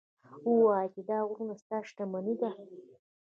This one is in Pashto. ووایه چې دا غرونه ستا شتمني ده.